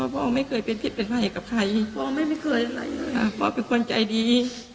พ่อไม่เคยเป็นผิดเป็นไผ่กับใครพ่อเป็นคนใจดี